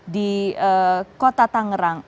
di kota tangerang